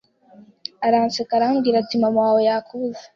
Aranseka arambwira ati mamawawe yakubuze